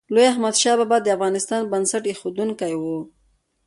لوی احمدشاه بابا د افغانستان بنسټ ایښودونکی و.